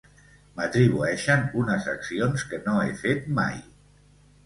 M'atribueixen unes accions que no he fet mai.